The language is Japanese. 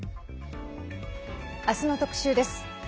あすの特集です。